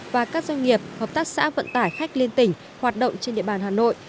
và các doanh nghiệp hợp tác xã vận tải khách liên tỉnh hoạt động trên địa bàn hà nội